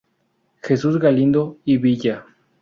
Jesús Galindo y Villa.